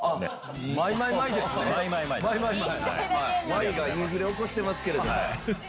「マイ」がインフレ起こしてますけれども。